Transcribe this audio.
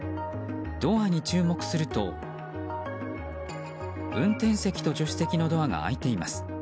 ドアに注目すると運転席と助手席のドアが開いています。